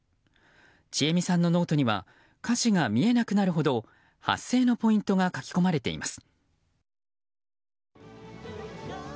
ちえみさんのノートには歌詞が見えなくなるほど発声のポイントが書き込まれています。